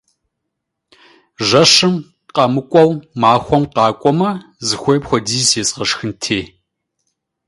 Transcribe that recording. Жэщым къэмыкӀуэу махуэм къакӀуэмэ, зыхуейм хуэдиз езгъэшхынти!